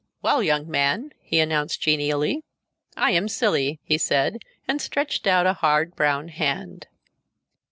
"Well, young man," he announced genially, "I am Cilley," he said, and stretched out a hard brown hand.